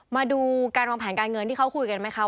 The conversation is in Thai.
มาดูการวางแผนการเงินที่เขาคุยกันไหมคะ